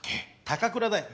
高倉だよ。